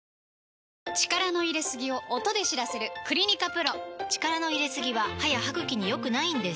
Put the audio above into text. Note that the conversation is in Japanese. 力の入れすぎを音で知らせる「クリニカＰＲＯ」力の入れすぎは歯や歯ぐきに良くないんです